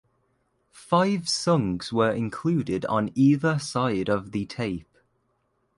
Five songs were included on either side of the tape.